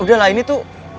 udah lah ini tuh